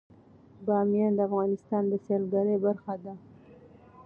بامیان د افغانستان د سیلګرۍ برخه ده.